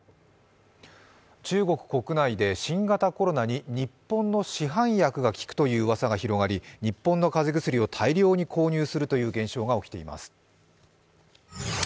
中国国内で新型コロナに日本の市販薬が効くといううわさが広がり、日本の風邪薬を大量に購入するという現象が起きています。